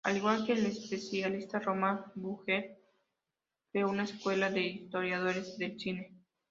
Al igual que el especialista Román Gubern, creó una escuela de historiadores del cine.